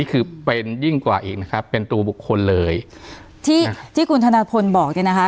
คือเป็นยิ่งกว่าอีกนะครับเป็นตัวบุคคลเลยที่ที่คุณธนพลบอกเนี่ยนะคะ